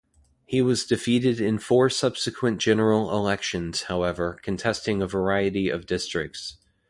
He was defeated in four subsequent general elections, however, contesting a variety of districts.